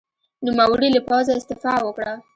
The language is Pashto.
نوموړي له پوځه استعفا وکړه.